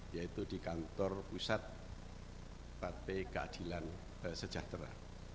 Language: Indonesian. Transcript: yaitu di kantor pusat partai keadilan sejahtera